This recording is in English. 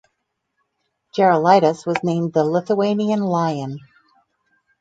Gerulaitis was nicknamed "The Lithuanian Lion".